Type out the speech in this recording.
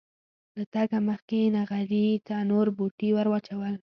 له تګه مخکې یې نغري ته نور بوټي ور واچول.